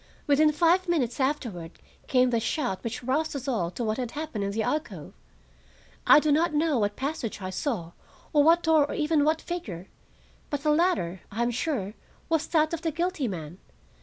"Within five minutes afterward came the shout which roused us all to what had happened in the alcove. I do not know what passage I saw or what door or even what figure; but the latter, I am sure, was that of the guilty man.